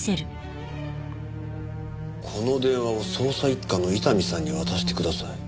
「この電話を捜査一課の伊丹さんに渡してください」